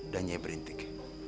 dan nyai berintik